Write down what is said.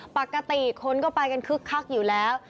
ปกติคนก็ไปกันคึกคักอยู่แล้ว